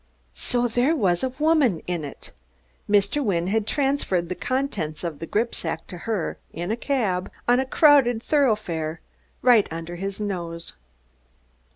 So there was a woman in it! Mr. Wynne had transferred the contents of the gripsack to her, in a cab, on a crowded thoroughfare, right under his nose!